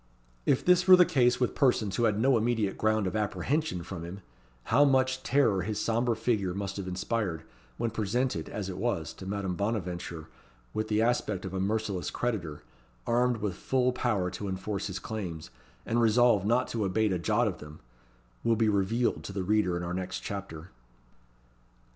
If this were the case with persons who had no immediate ground of apprehension from him, how much terror his sombre figure must have inspired, when presented, as it was, to Madame Bonaventure, with the aspect of a merciless creditor, armed with full power to enforce his claims, and resolved not to abate a jot of them, will be revealed to the reader in our next chapter.